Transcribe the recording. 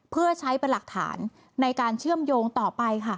เพื่อใช้เป็นหลักฐานในการเชื่อมโยงต่อไปค่ะ